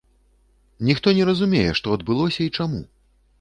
Ніхто не разумее, што адбылося і чаму.